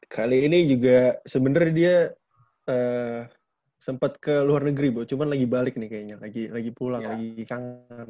kali ini juga sebenarnya dia sempat ke luar negeri cuma lagi balik nih kayaknya lagi pulang lagi kangen